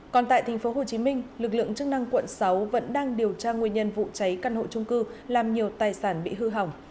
còn tại tp hcm lực lượng chức năng quận sáu vẫn đang điều tra nguyên nhân vụ cháy căn hộ trung cư làm nhiều tài sản bị hư hỏng